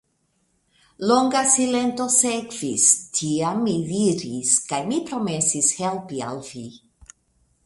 Longa silento sekvis, tiam mi diris:Kaj mi promesis helpi al li.